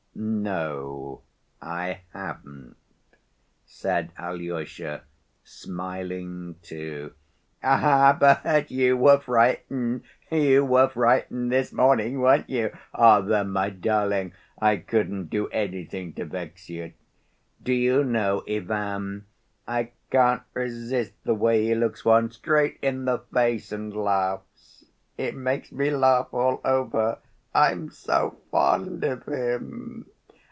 "No, I haven't," said Alyosha, smiling, too. "Ah, but you were frightened, you were frightened this morning, weren't you? There, my darling, I couldn't do anything to vex you. Do you know, Ivan, I can't resist the way he looks one straight in the face and laughs? It makes me laugh all over. I'm so fond of him.